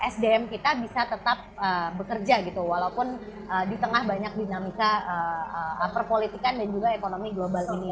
sdm kita bisa tetap bekerja gitu walaupun di tengah banyak dinamika perpolitikan dan juga ekonomi global ini